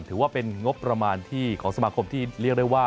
ถือว่าเป็นงบประมาณที่ของสมาคมที่เรียกได้ว่า